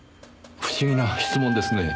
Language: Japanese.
不思議な質問ですねぇ。